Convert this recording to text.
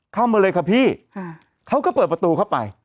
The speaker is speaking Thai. เข้ามาเลยค่ะพี่เขาก็เปิดประตูเข้าไป